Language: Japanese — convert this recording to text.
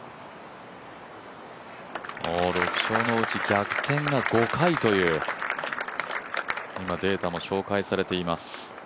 ６勝のうち、逆転が５回というデータも紹介されています。